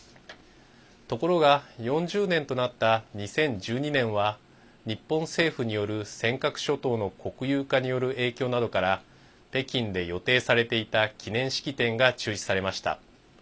ところが、４０年となった２０１２年は日本政府による尖閣諸島の国有化による影響などから北京で予定されていた記念式典が中止されました。